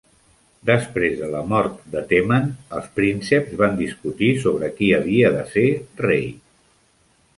Després de la mort de Temen, els prínceps van discutir sobre qui havia de ser rei.